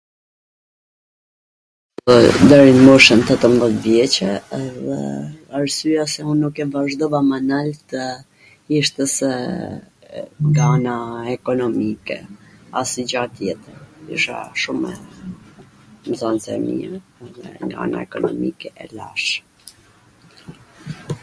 deri nw moshwn tetwmbwdhjet vjeCe, arsyja pse unw nuk e vazhdova ma naltw ishte se nga ana ekonomike, asnjw gja tjetwr, isha shum e .... nga ana ekonomike